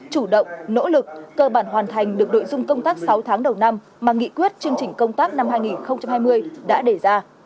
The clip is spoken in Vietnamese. chủ động nỗ lực cơ bản hoàn thành được đội dung công tác sáu tháng đầu năm mà nghị quyết chương trình công tác năm hai nghìn hai mươi đã đề ra